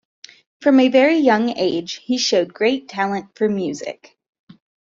From a very young age, he showed great talent for music.